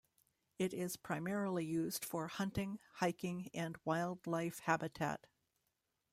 It is primarily used for hunting, hiking, and wildlife habitat.